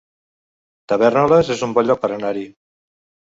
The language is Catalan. Tavèrnoles es un bon lloc per anar-hi